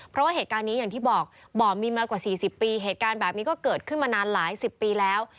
เพราะว่าเหตุการณ์นี้อย่างที่บอกบ่อมีมากว่า๔๐ปีเหตุการณ์แบบนี้ก็เกิดขึ้นมานานหลายสิบปีแล้ว